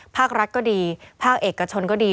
ภาครัฐก็ดีภาคเอกชนก็ดี